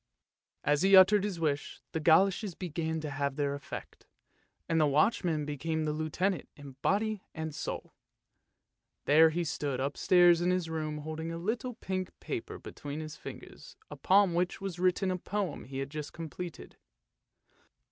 " As he uttered his wish the goloshes began to have their effect, and the watchman became the Lieutenant in body and soul. There he stood upstairs in his room holding a little pink paper between his fingers upon which was written a poem he had just completed.